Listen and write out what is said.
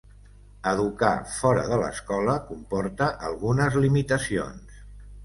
Educar fora de l'escola comporta algunes limitacions.